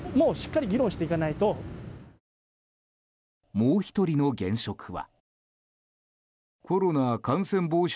もう１人の現職は。